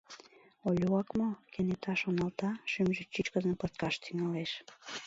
Олюак мо?..»— кенета шоналта, шӱмжӧ чӱчкыдын пырткаш тӱҥалеш.